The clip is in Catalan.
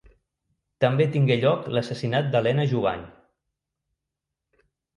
També tingué lloc l'assassinat d'Helena Jubany.